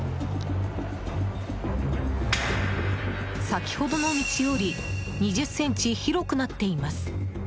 先ほどの道より２０ｃｍ広くなっています。